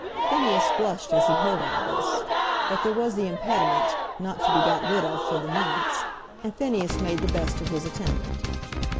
Phineas blushed as he heard all this; but there was the impediment, not to be got rid of for the nonce, and Phineas made the best of his attendant.